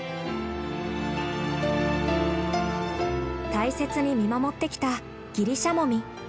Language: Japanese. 大切に見守ってきたギリシャモミ。